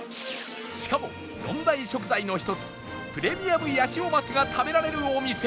しかも４大食材の１つプレミアムヤシオマスが食べられるお店